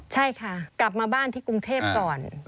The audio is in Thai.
ใช่ค่ะกลับมาบ้านที่กรุงเทพก่อน